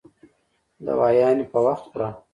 دوايانې په وخت خوره